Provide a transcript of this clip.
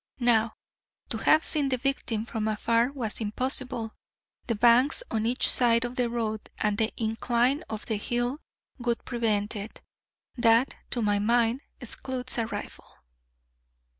Now, to have seen the victim from afar was impossible, the banks on each side of the road and the incline of the hill would prevent it. That, to my mind, excludes a rifle.